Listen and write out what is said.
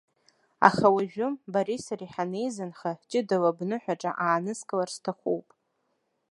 Аха уажәы, бареи сареи ҳанеизынха, ҷыдала бныҳәаҿа ааныскылар сҭахуп.